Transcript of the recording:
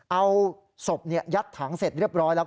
เอาศพยัดถังเสร็จเรียบร้อยแล้ว